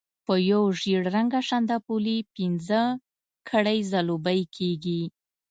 په یو ژېړ رنګه شانداپولي پنځه کړۍ ځلوبۍ کېږي.